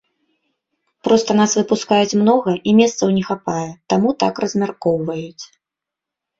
Проста нас выпускаюць многа, і месцаў не хапае, таму так размяркоўваюць.